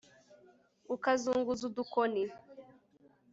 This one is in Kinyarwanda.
ukazunguza udukoni